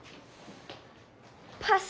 パス。